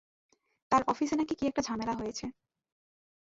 তার অফিসে নাকি কী-একটা ঝামেলা হয়েছে।